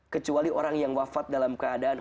kecuali orang yang wafat dalam keadaan